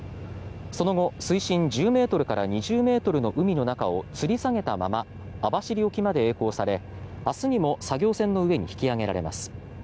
その後、水深１０ｍから２０ｍの海の中をつり下げたまま網走沖までえい航され明日にも作業船の上に引き揚げられます。